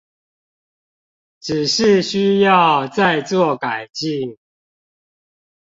只是需要再做改進